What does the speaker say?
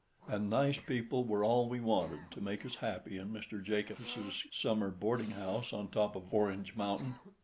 And nice people were all we wanted to make us happy in Mr. Jacobus's summer boarding house on top of Orange Mountain.